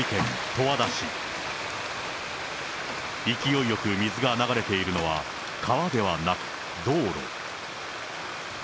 勢いよく水が流れているのは、川ではなく道路。